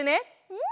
うん！